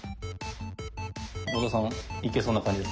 小田さんいけそうな感じですか？